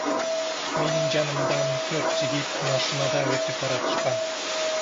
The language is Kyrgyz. Менин жанымдан төрт жигит машинада өтүп баратышкан.